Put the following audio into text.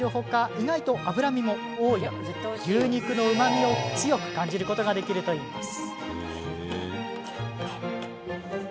意外と脂身も多いので牛肉のうまみを強く感じることができるといいます。